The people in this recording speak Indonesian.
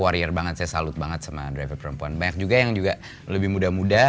warrior banget saya salut banget sama driver perempuan banyak juga yang juga lebih muda muda